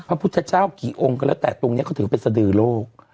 พระพุทธเจ้ากี่องค์ก็แล้วแต่ตรงนี้เขาถือเป็นสดือโลก